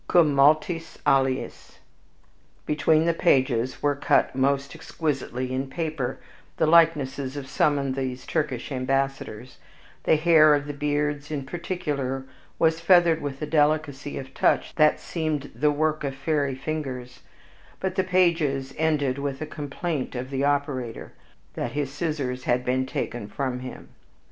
........ Cum multis aliis. Between the pages were cut most exquisitely in paper the likenesses of some of these Turkish ambassadors; the hair of the beards, in particular, was feathered with a delicacy of touch that seemed the work of fairy fingers, but the pages ended with a complaint of the operator, that his scissors had been taken from him.